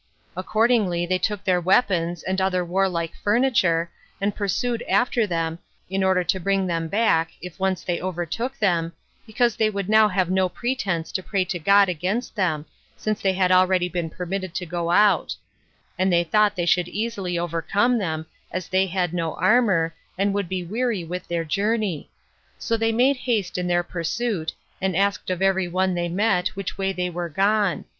Accordingly they took their weapons, and other warlike furniture, and pursued after them, in order to bring them back, if once they overtook them, because they would now have no pretense to pray to God against them, since they had already been permitted to go out; and they thought they should easily overcome them, as they had no armor, and would be weary with their journey; so they made haste in their pursuit, and asked of every one they met which way they were gone.